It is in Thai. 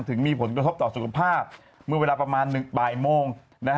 ถึงมีผลกระทบต่อสุขภาพเมื่อเวลาประมาณบ่ายโมง